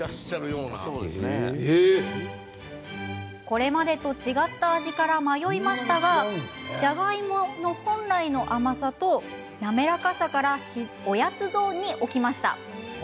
これまでと違った味から迷いましたがじゃがいもの本来の甘さと滑らかさからおやつゾーンに置きました。